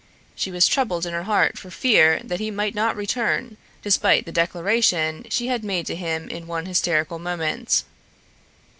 She was troubled in her heart for fear that he might not return, despite the declaration she had made to him in one hysterical moment.